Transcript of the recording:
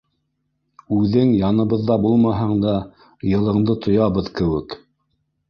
Үҙең яныбыҙҙа булмаһаң да, йылыңды тоябыҙ кеүек.